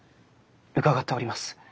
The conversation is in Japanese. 伺っております。